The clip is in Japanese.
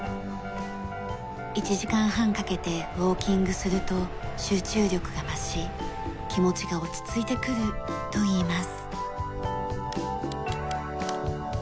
１時間半かけてウォーキングすると集中力が増し気持ちが落ち着いてくるといいます。